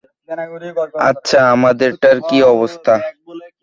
আচ্ছা, আমাদেরটার কী অবস্থা?